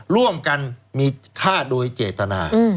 ร่วมกันมีฆ่าโดยเจตนา